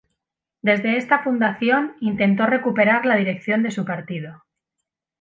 Desde esta fundación, intentó recuperar la dirección de su Partido.